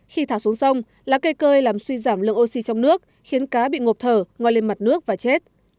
khi thả xuống sông lá cây cơi làm suy giảm lượng oxy trong nước khiến cá bị ngộp thở ngoài lên mặt nước và chết